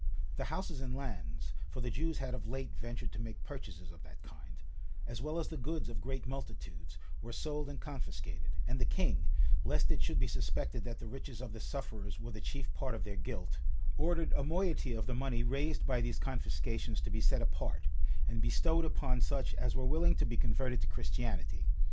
The houses and lands, (for the Jews had of late ventured to make purchases of that kind,) as well as the goods of great multitudes, were sold and confiscated; and the king, lest it should be suspected that the riches of the sufferers were the chief part of their guilt, ordered a moiety of the money raised by these confiscations to be set apart, and bestowed upon such as were willing to be converted to Christianity.